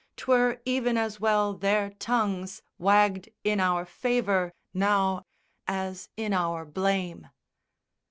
'Twere even as well their tongues Wagged in our favour, now, as in our blame.